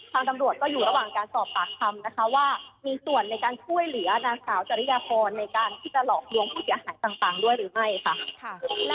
ตำรวจก็อยู่ระหว่างการสอบปากคำนะคะว่ามีส่วนในการช่วยเหลือนางสาวจริยพรในการที่จะหลอกลวงผู้เสียหายต่างด้วยหรือไม่ค่ะ